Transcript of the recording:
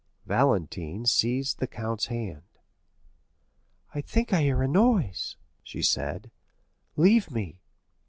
Valentine seized the count's hand. "I think I hear a noise," she said; "leave me."